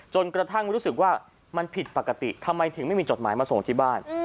กระทั่งรู้สึกว่ามันผิดปกติทำไมถึงไม่มีจดหมายมาส่งที่บ้าน